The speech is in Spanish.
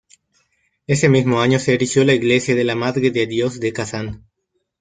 Ese mismo año se erigió la Iglesia de la Madre de Dios de Kazán.